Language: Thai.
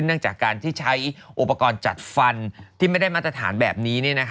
เนื่องจากการที่ใช้อุปกรณ์จัดฟันที่ไม่ได้มาตรฐานแบบนี้